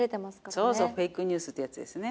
そうそうフェイクニュースってやつですね。